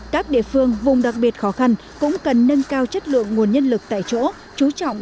các địa phương vùng đặc biệt khó khăn cũng cần nâng cao chất lượng nguồn nhân lực tại chỗ chú trọng